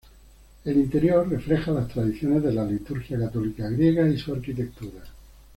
El interior refleja las tradiciones de la liturgia católica griega y su arquitectura.